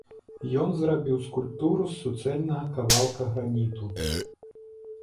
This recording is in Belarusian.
Ён зрабіў скульптуру з суцэльнага кавалка граніту.